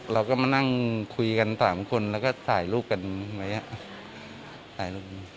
เราก็มานั่งคุยกัน๓คนแล้วก็สายลูกกันไว้